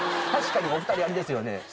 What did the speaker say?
確かにお２人あれですよね。